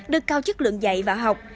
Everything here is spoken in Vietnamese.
đưa cao chất lượng dạy và học